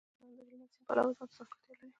افغانستان د هلمند سیند د پلوه ځانته ځانګړتیا لري.